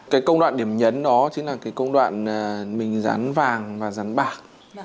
cái công đoạn điểm nhấn đó chính là cái công đoạn mình rán vàng và rán bạc